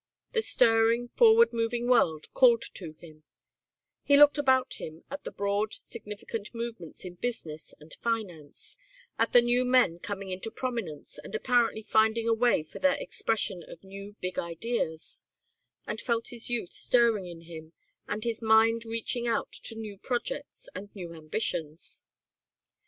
The stirring, forward moving world called to him; he looked about him at the broad, significant movements in business and finance, at the new men coming into prominence and apparently finding a way for the expression of new big ideas, and felt his youth stirring in him and his mind reaching out to new projects and new ambitions.